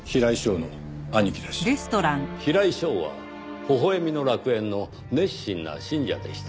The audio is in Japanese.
平井翔は微笑みの楽園の熱心な信者でした。